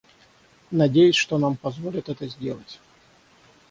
Надеюсь, что нам позволят это сделать.